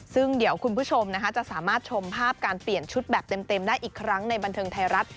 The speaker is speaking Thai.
ซึ่งเดี๋ยวคุณผู้ชมจะสามารถชมภาพการเปลี่ยนชุดแบบเต็มได้อีกครั้งในบันเทิงไทยรัฐ